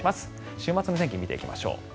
週末の天気を見ていきましょう。